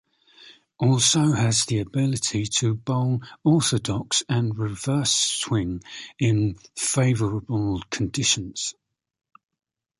Also has the ability to bowl orthodox and reverse swing in favourable conditions.